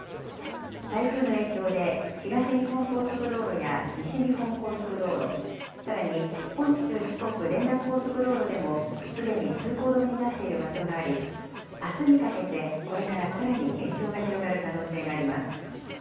台風の影響で、東日本高速道路や西日本高速道路、さらに本州四国連絡高速道路でも、すでに通行止めになっている場所があり、あすにかけてこれからさらに影響が広がる可能性があります。